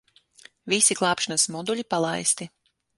Visi glābšanas moduļi palaisti.